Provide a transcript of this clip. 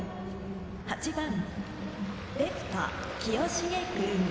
８番レフト、清重君。